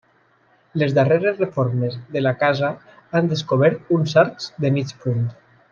Les darreres reformes de la casa han descobert uns arcs de mig punt.